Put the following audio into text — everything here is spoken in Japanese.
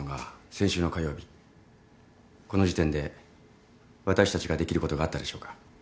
この時点で私たちができることがあったでしょうか？